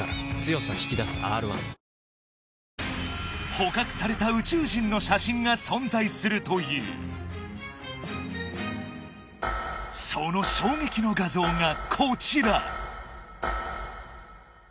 捕獲された宇宙人の写真が存在するというその衝撃の画像がこちら！